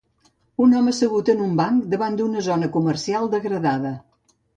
Un home assegut en un banc davant d'una zona comercial degradada